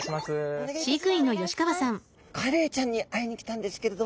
お願いします。